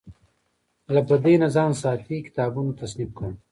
له بدۍ نه ځان ساتي کتابونه تصنیف کاندي.